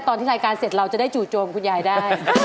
ตอนที่รายการเสร็จเราจะได้จู่โจมคุณยายได้